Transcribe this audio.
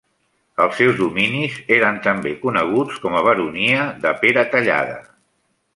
Els seus dominis eren també coneguts com a baronia de Peratallada.